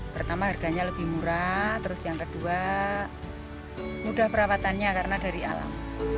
pertama harganya lebih murah terus yang kedua mudah perawatannya karena dari alam